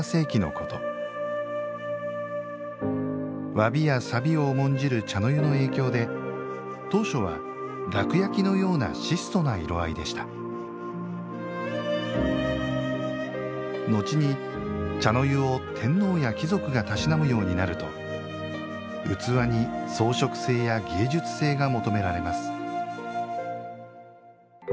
わびやさびを重んじる茶の湯の影響で当初は楽焼のような質素な色合いでした後に茶の湯を天皇や貴族がたしなむようになると器に装飾性や芸術性が求められます